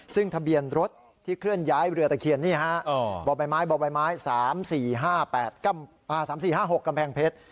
ซึ่งทะเบียนรถที่เคลื่อนย้ายเรือตะเคียนนี่ฮะบ่อใบไม้บ่อใบไม้๓๔๕๓๔๕๖กำแพงเพชร